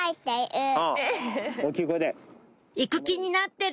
行く気になってる！